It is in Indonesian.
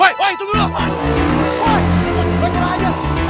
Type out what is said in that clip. woi woi tunggu dulu